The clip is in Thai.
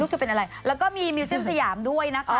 ก็คือเป็นอะไรแล้วก็มีมิวเซียมสยามด้วยนะคะ